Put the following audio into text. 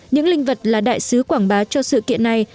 những linh vật là đại sứ quảng bá cho sự kiện này